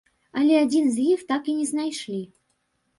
Але адзін з іх так і не знайшлі.